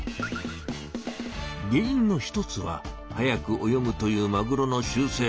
原いんの一つは速く泳ぐというマグロの習せい。